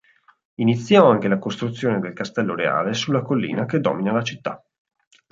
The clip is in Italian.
Iniziò anche la costruzione del Castello Reale sulla collina che domina la città.